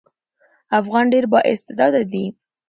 افغانان ډېر با استعداده دي.